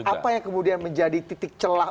apa yang kemudian menjadi titik celah